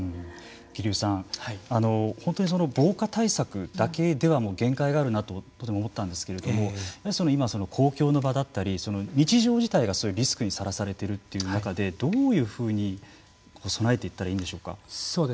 桐生さん、本当に防火対策だけでは限界があるなと思ったんですけれども今、公共の場だったり日常自体がリスクにさらされているという中でどういうふうに備えていったらいいんでしょうか。